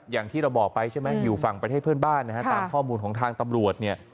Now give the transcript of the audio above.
อย่างที่เราบอกไปใช่ไหมอยู่ฝั่งประเทศเพื่อนบ้านนะฮะตามข้อมูลของทางตำรวจเนี่ย